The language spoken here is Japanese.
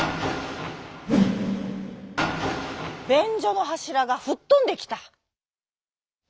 べんじょのはしらがふっとんできた。